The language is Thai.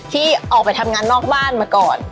ที่ออกไปทำงานนอกบ้านมาก่อน